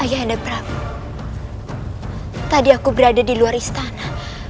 ayah anda prabu tadi aku berada di luar istana